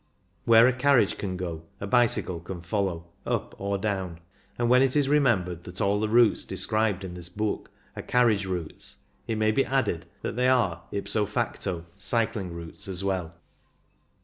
Where a carriage can go a bicycle can follow, up or down ; and when it is remembered that all the routes described in this book are carriage routes, it may be added that they are ipso facto cycling routes as well.